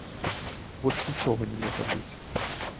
Больш нічога не можа быць.